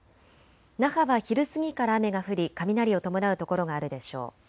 那覇は昼過ぎから雨が降り雷を伴う所があるでしょう。